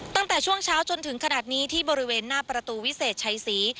ตั้งแต่ช่วงเช้าจนถึงขนาดนี้ที่บริเวณหน้าประตูวิเศษชัยศรี